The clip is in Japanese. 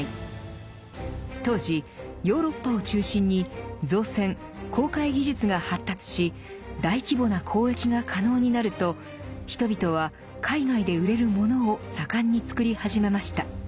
当時ヨーロッパを中心に造船・航海技術が発達し大規模な交易が可能になると人々は海外で売れるものを盛んに作り始めました。